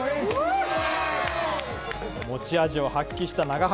持ち味を発揮した永原。